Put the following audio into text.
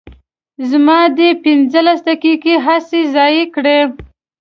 زما دې پنځلس دقیقې هسې ضایع کړې.